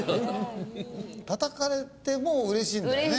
たたかれてもうれしいんだね。